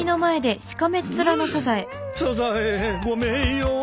サザエごめんよ。